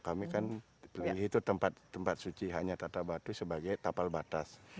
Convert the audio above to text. nah ini tinggi kalau kami kan itu tempat suci hanya tata batu sebagai tapal batas